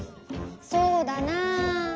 そうだなあ。